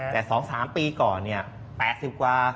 แต่๒๓ปีก่อนเนี่ย๘๐กว่า